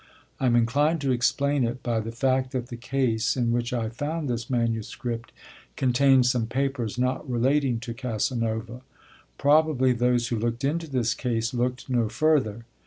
I am inclined to explain it by the fact that the case in which I found this manuscript contains some papers not relating to Casanova. Probably, those who looked into this case looked no further.